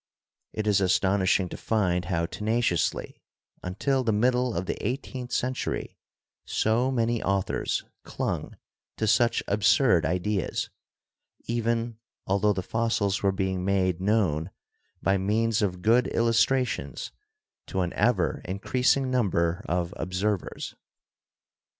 It is astonishing to find how tenaciously, until the mid dle of the eighteenth century, so many authors clung to such absurd ideas, even altho the fossils were being made known by means of good illustrations to an ever increas ing number of observers.